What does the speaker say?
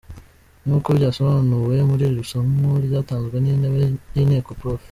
Nkuko byasobanuwe muri iri somo ryatanzwe n’Intebe y’Inteko Prof.